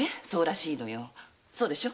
そうでしょ？